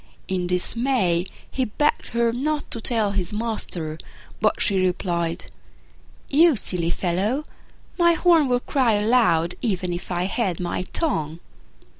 In dismay, he begged her not to tell his master: but she replied, "You silly fellow, my horn would cry aloud even if I held my tongue."